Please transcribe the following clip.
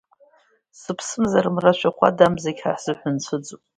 Сыԥсымзар, мра шәахәада, амзагь ҳа ҳзыҳәан цәыӡуп.